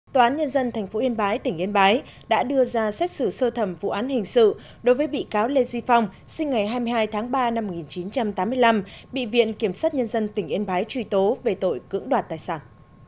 tòa án nhân dân tp yên bái tỉnh yên bái đã đưa ra xét xử sơ thẩm vụ án hình sự đối với bị cáo lê duy phong sinh ngày hai mươi hai tháng ba năm một nghìn chín trăm tám mươi năm bị viện kiểm sát nhân dân tỉnh yên bái truy tố về tội cưỡng đoạt tài sản